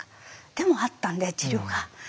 でもあったんで治療が。